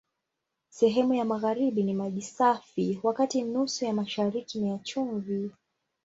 Sehemu ya magharibi ni maji safi, wakati nusu ya mashariki ni ya chumvi.